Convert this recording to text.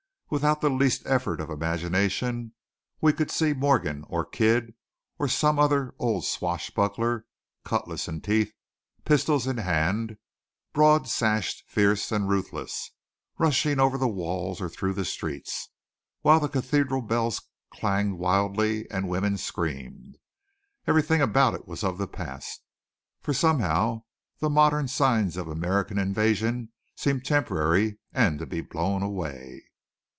Without the least effort of the imagination we could see Morgan or Kidd or some other old swashbuckler, cutlass in teeth, pistols in hand, broad sashed, fierce and ruthless rushing over the walls or through the streets, while the cathedral bells clanged wildly and women screamed. Everything about it was of the past; for somehow the modern signs of American invasion seemed temporary and to be blown away.